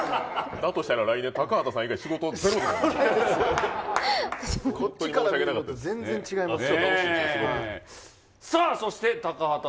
だとしたら来年、高畑さん以外、仕事ゼロですね。